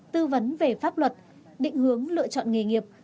tư vấn về pháp luật định hướng lựa chọn nghề nghiệp